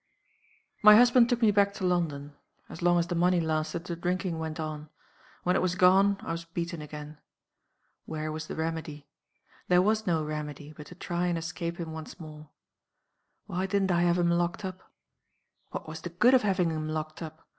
"My husband took me back to London. "As long as the money lasted, the drinking went on. When it was gone, I was beaten again. Where was the remedy? There was no remedy, but to try and escape him once more. Why didn't I have him locked up? What was the good of having him locked up?